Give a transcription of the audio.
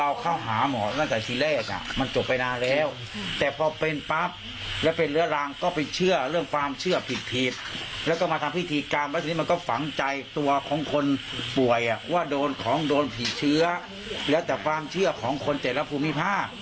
ว่าโดนของโดนผีเชื้อแล้วแต่ความเชื่อของคนเจรภูมิภา